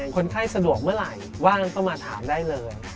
คนไข้สะดวกเมื่อไหร่ว่างเข้ามาถามได้เลย